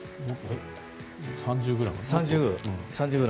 ３０ｇ？